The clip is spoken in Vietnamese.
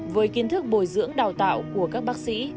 với kiến thức bồi dưỡng đào tạo của các bác sĩ